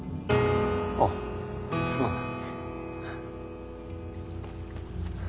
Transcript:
あっすまんな。